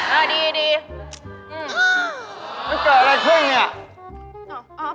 เออดีไม่เกิดอะไรขึ้นอย่างนี้